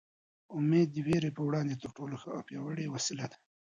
امېد د وېرې په وړاندې تر ټولو ښه او پیاوړې وسله ده.